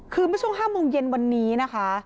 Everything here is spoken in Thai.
คือเมื่อช่วง๕โมงเย็นวันนี้นะคะ